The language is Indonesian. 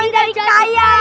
kita orang jadi kaya